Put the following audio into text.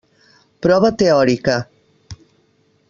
Prova teòrica.